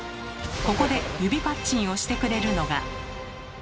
ここで指パッチンをしてくれるのが。